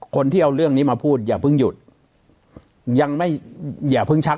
คนที่เอาเรื่องนี้มาพูดอย่าเพิ่งหยุดยังไม่อย่าเพิ่งชัก